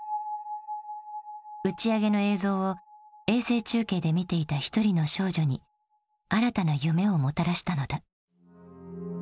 打ち上げの映像を衛星中継で見ていた一人の少女に新たな夢をもたらしたのだ。